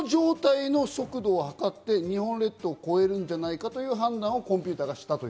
加速しますから、ここの状態の速度をはかって、日本列島を越えるんじゃないかという判断をコンピューターがしたと。